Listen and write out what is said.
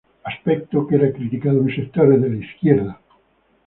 Aspecto que era criticado en sectores de la izquierda.